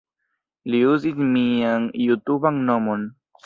Li uzis mian jutuban nomon